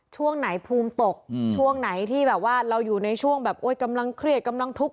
ช่วงไหนภูมิตกช่วงไหนที่แบบว่าเราอยู่ในช่วงแบบโอ๊ยกำลังเครียดกำลังทุกข์